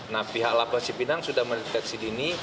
nah pihak lapas cipinang sudah mendeteksi dini